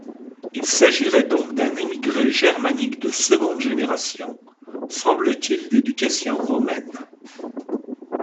Il s'agirait donc d'un émigré germanique de seconde génération, semble-t-il d'éducation romaine.